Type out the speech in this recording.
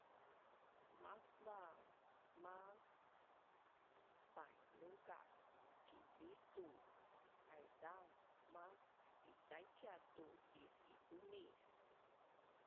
maszang mas painukas Kilistu, aizaan mas isaicia tu is-ihumis